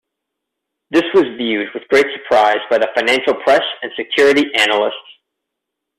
This was viewed with great surprise by the financial press and security analysts.